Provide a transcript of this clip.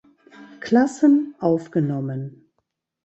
Klassen aufgenommen.